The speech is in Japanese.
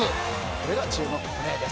これが注目プレーです。